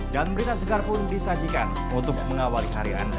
dan berita segar pun disajikan untuk mengawali hari anda